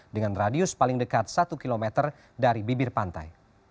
dengan radius paling dekat satu km dari bibir pantai